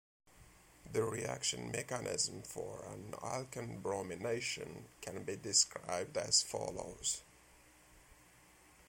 The reaction mechanism for an alkene bromination can be described as follows.